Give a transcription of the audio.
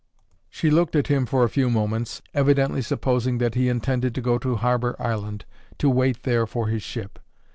She looked at him for a few moments, evidently supposing that he intended to go to Harbour Island to wait there for his ship.